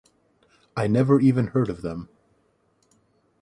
I never even heard of them.